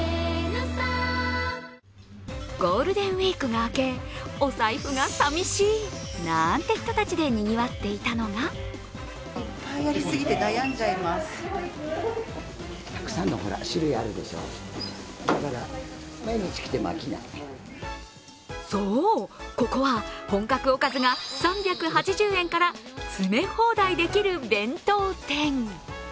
ゴールデンウイークが明け、お財布がさみしいなんて人たちでにぎわっていたのがそう、ここは本格おかずが３８０円から詰め放題できる弁当店。